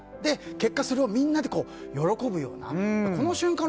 結果、それをみんなで喜ぶようなこの瞬間